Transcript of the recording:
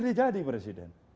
dia jadi presiden